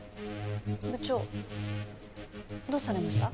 部長どうされました？